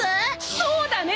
そうだね！